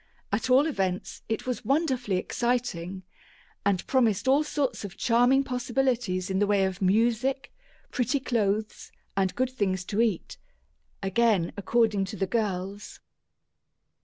At all events, it was wonderfully exciting, and promised all sorts of charming possibilities in the way of music, pretty clothes, and good things to eat again according to the girls.